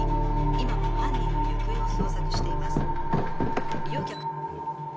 今も犯人の行方を捜索しています。